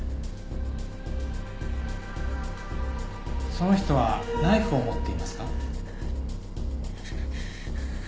「その人はナイフを持っていますか？」